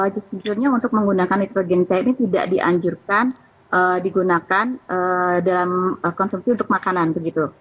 jujurnya untuk menggunakan nitrogen cair ini tidak dianjurkan digunakan dalam konsumsi untuk makanan begitu